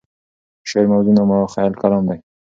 شعر موزون او مخیل کلام دی.